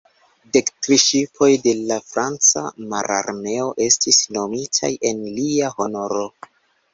Dek tri ŝipoj de la Franca Mararmeo estis nomitaj en lia honoro.